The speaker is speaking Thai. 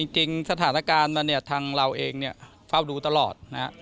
จริงสถานการณ์มันเนี่ยทางเราเองเนี่ยเฝ้าดูตลอดนะครับ